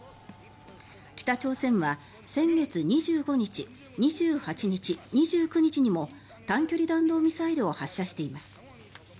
北朝鮮は先月２５日、２８日、２９日にも短距離弾道ミサイルを発射しています。